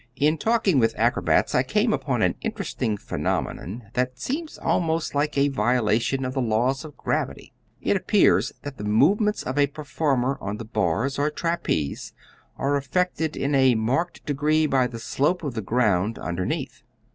In talking with acrobats, I came upon an interesting phenomenon that seems almost like a violation of the laws of gravitation. It appears that the movements of a performer on the bars or trapeze are affected in a marked degree by the slope of the ground underneath.